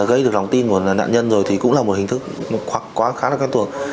gây được lòng tin của nạn nhân rồi thì cũng là một hình thức khá là khán thuộc